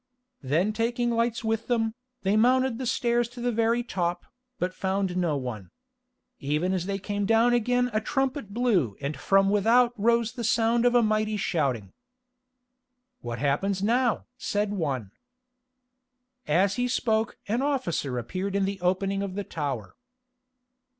Then taking lights with them, they mounted the stairs to the very top, but found no one. Even as they came down again a trumpet blew and from without rose the sound of a mighty shouting. "What happens now?" said one. As he spoke an officer appeared in the opening of the tower.